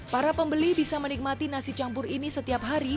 para pembeli bisa menikmati nasi campur ini setiap hari